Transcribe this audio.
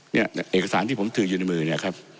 เอกสารที่ผมถืออยู่ในมือเนี่ยครับ